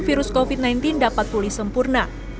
virus covid sembilan belas dapat pulih sempurna